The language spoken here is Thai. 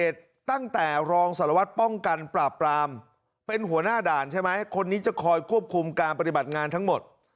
ตั้งแต่รองสารวัตรป้องกันปราบปรามเป็นหัวหน้าด่านใช่ไหมคนนี้จะคอยควบคุมการปฏิบัติงานทั้งหมด